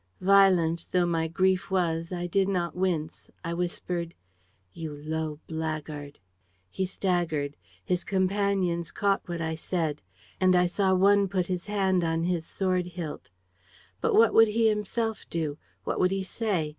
"Violent though my grief was, I did not wince. I whispered: "'You low blackguard!' "He staggered. His companions caught what I said; and I saw one put his hand on his sword hilt. But what would he himself do? What would he say?